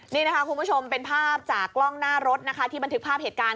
นี่นะคะคุณผู้ชมเป็นภาพจากกล้องหน้ารถนะคะที่บันทึกภาพเหตุการณ์